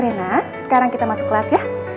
nah sekarang kita masuk kelas ya